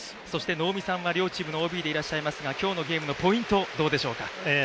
能見さんは両チームのＯＢでいらっしゃいますが今日のポイントいかがでしょうか？